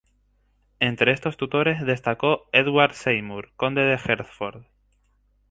Entre estos tutores destacó Edward Seymour, conde de Hertford.